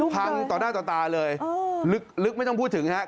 ต่อหน้าต่อตาเลยลึกไม่ต้องพูดถึงครับ